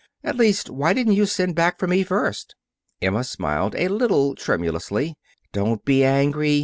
At least, why didn't you send back for me first?" Emma smiled a little tremulously. "Don't be angry.